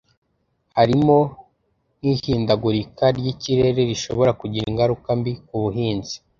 harimo nk’ihindagurika ry’ikirere rishobora kugira ingaruka mbi ku buhinzi